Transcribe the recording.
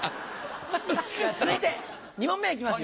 続いて２問目行きますよ。